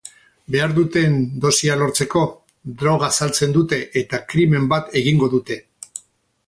Behar duten dosia lortzeko, droga saltzen dute eta krimen bat egingo dute.